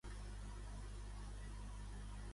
Vull l'app Abacus, activa-la.